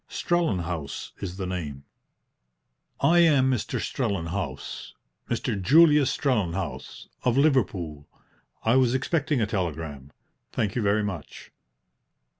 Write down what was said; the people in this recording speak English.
"Strellenhaus is the name." "I am Mr. Strellenhaus Mr. Julius Strellenhaus, of Liverpool. I was expecting a telegram. Thank you very much."